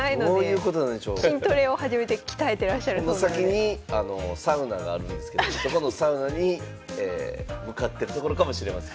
この先にサウナがあるんですけどそこのサウナに向かってるところかもしれません。